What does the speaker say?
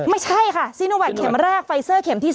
ไม่ใช่ค่ะซีโนแวคเข็มแรกไฟเซอร์เข็มที่๓